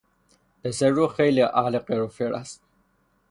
پسر او خیلی اهل قر و فر است.